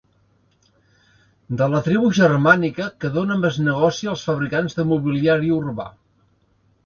De la tribu germànica que dóna més negoci als fabricants de mobiliari urbà.